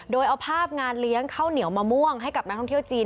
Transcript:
โดยเอาภาพงานเลี้ยงข้าวเหนียวมะม่วงให้กับนักท่องเที่ยวจีน